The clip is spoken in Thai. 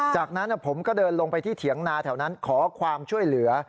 จากนั้นผมก็เดินลงไปที่เถียงนาแถวนั้นขอความช่วยเหลือ